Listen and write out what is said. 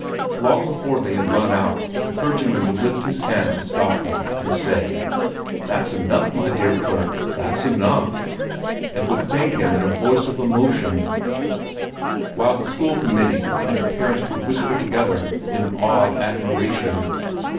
Long before they had run out, the clergyman would lift his hand to stop them, and say: "That's enough, my dear clerk! That's enough!" and would thank him in a voice of emotion; while the school committee and the parents would whisper together in awed admiration.